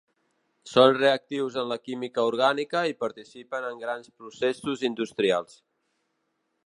Són reactius en la química orgànica i participen en grans processos industrials.